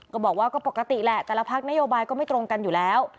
ก็บอกว่าก็ปกติแหละแต่ละพักนโยบายก็ไม่ตรงกันอยู่แล้ว